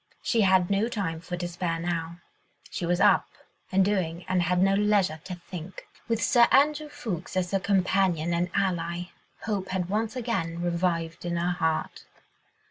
She had no time for despair now. She was up and doing and had no leisure to think. With Sir Andrew Ffoulkes as her companion and ally, hope had once again revived in her heart.